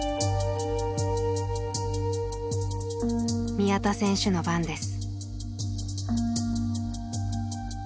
宮田選手の番です。